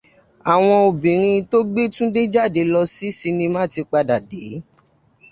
Àwọn obìnrin tó gbé Túndé jáde lọ sí sinimá ti padà dé